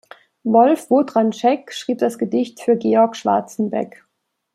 Wolf Wondratschek schrieb das "Gedicht für Georg Schwarzenbeck".